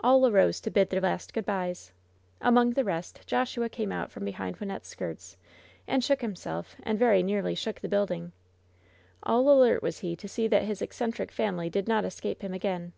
All arose to bid their last good bys. Among the rest, Joshua came out from behind Wyn nette's skirts, and shook himself, and very nearly shook the building. All alert was he to see that his eccentric family did not escape him again.